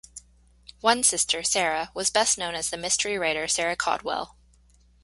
One sister, Sarah, was best known as the mystery writer Sarah Caudwell.